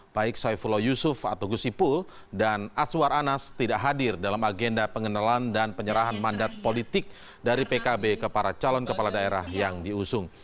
baik saifullah yusuf atau gusipul dan aswar anas tidak hadir dalam agenda pengenalan dan penyerahan mandat politik dari pkb ke para calon kepala daerah yang diusung